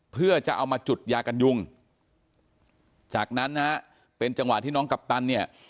เพื่อจะเอามาจุดยากันยุงจากนั้นนะฮะเป็นจังหวะที่น้องกัปตันเนี่ย